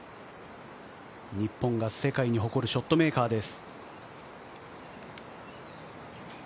日本が世界に誇るショットメーカーです。